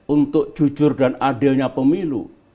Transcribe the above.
untuk jujur dan adilnya pemilu